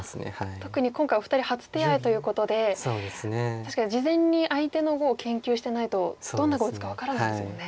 特に今回お二人初手合ということで確かに事前に相手の碁を研究してないとどんな碁を打つか分からないですもんね。